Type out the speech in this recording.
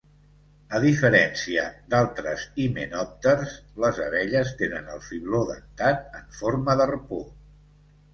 A diferència d'altres himenòpters, les abelles tenen el fibló dentat en forma d'arpó.